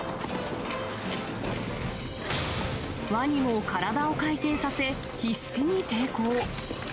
ワニも体を回転させ、必死に抵抗。